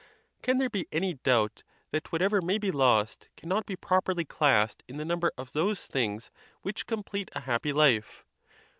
Can there be any doubt that whatever may be lost cannot be properly classed in the number of those things which complete a happy life?